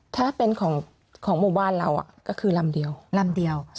ถ้าเป็นของหมู่บ้านเราก็คือลำเดียว